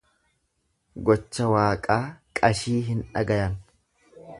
Gocha waaqaa qashii hin dhagayan.